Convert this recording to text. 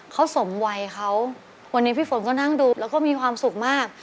เขาสมวัยเขาวันนี้พี่ฝนก็นั่งดูแล้วก็มีความสุขมาก